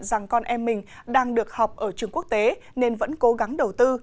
rằng con em mình đang được học ở trường quốc tế nên vẫn cố gắng đầu tư